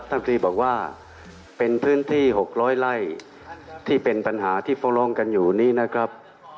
ตรีบอกว่าเป็นพื้นที่๖๐๐ไร่ที่เป็นปัญหาที่ฟ้องร้องกันอยู่นี้นะครับ